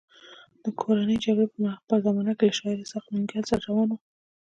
د کورنۍ جګړې په زمانه کې له شاعر اسحق ننګیال سره روان وم.